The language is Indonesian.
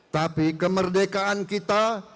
tapi kemerdekaan kita